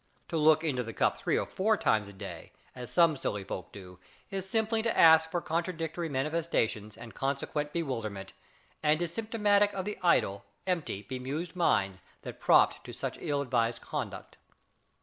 To 'look in the cup' three or four times a day, as some silly folk do, is simply to ask for contradictory manifestations and consequent bewilderment, and is symptomatic of the idle, empty, bemused minds that prompt to such ill advised conduct.